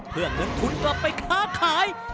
เพื่อเงินทุนกลับไปค้าขาย